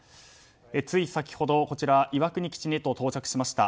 つい先ほど岩国基地に到着しました。